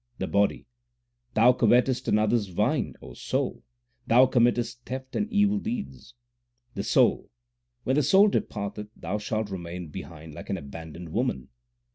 The Body : Thou covetest another s vine, 2 O soul ; thou committest theft and evil deeds. The Soul : When the soul departeth, thou shalt remain behind like an abandoned woman.